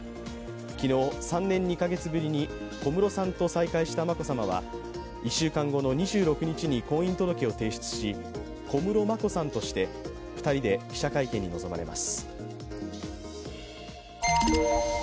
昨日、３年２カ月ぶりに小室さんと再会した眞子さまは１週間後の２６日に婚姻届を提出し小室眞子さんとして、２人で記者会見に臨まれます。